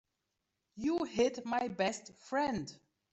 You hit my best friend.